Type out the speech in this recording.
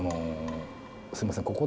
すみません